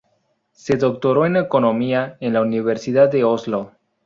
Se doctoró en Economía en la Universidad de Oslo.